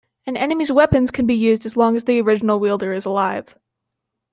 An enemy's weapons can be used as long as the original wielder is alive.